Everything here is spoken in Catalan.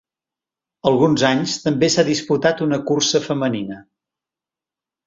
Alguns anys també s'ha disputat una cursa femenina.